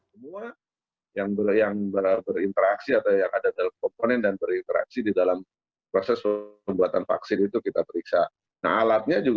pemerintah telah mencari alat yang berinteraksi dengan vaksin sinovac